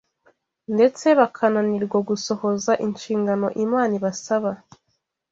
ndetse bakananirwa gusohoza inshingano Imana ibasaba.